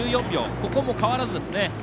ここも変わらずですね。